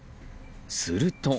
すると。